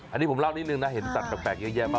อันนี้ผมเล่านิดหนึ่งนะเห็นตัดแปลกแยะฟะ